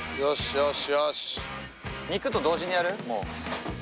よし！